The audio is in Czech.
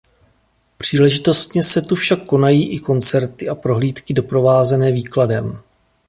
Příležitostně se tu však konají i koncerty a prohlídky doprovázené výkladem.